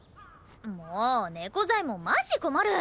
もう猫左ェ門マジ困る。